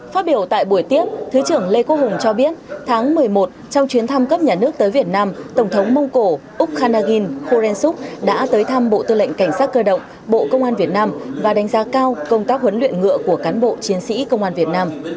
phát biểu tại buổi tiếp thứ trưởng lê quốc hùng cho biết tháng một mươi một trong chuyến thăm cấp nhà nước tới việt nam tổng thống mông cổ úc khanagin khoren suk đã tới thăm bộ tư lệnh cảnh sát cơ động bộ công an việt nam và đánh giá cao công tác huấn luyện ngựa của cán bộ chiến sĩ công an việt nam